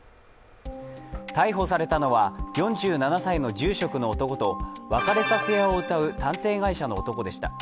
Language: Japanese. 逮捕されたのは４７歳の住職の男と別れさせ屋をうたう探偵会社の男でした。